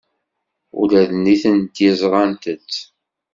Ula d nitenti ẓrant-t.